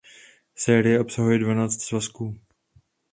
Série obsahuje dvanáct svazků.